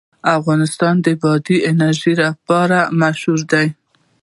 افغانستان د بادي انرژي لپاره مشهور دی.